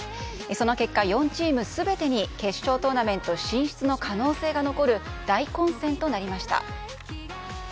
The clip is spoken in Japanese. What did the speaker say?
その結果、４チームすべてに決勝トーナメント進出の可能性が残る大混戦となりました。